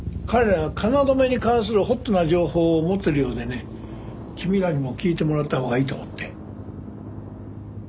彼ら京に関するホットな情報を持ってるようでね君らにも聞いてもらったほうがいいと思って。